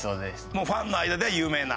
もうファンの間では有名な？